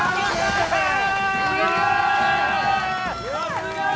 すごーい！